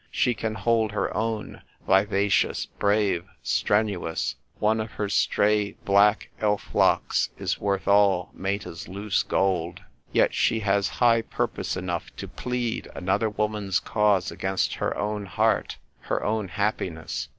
She can hold her own ; vivacious, brave, strenuous. One of her stray black elf locks is worth all Meta's loose gold. Yet she has high purpose enough to plead another woman's cause against her own heart, her own happiness.